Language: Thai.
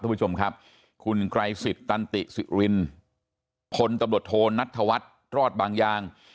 คุณผู้ชมครับคุณไกรสิทธิ์ตันติสิรินพลตำรวจโทนัทธวัฒน์รอดบางยาง